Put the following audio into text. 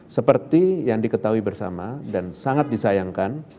seperti yang diketahui bersama dan sangat disayangkan